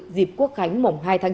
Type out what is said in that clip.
dịp quốc khánh mổng hai tháng chín